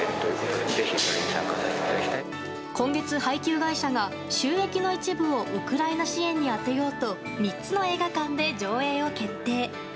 今月、配給会社が収益の一部をウクライナ支援に充てようと３つの映画館で上映を決定。